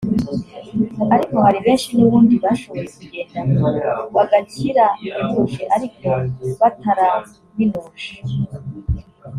ariko hari benshi n’ubundi bashoboye kugenda bagakira bihebuje ariko bataraminuje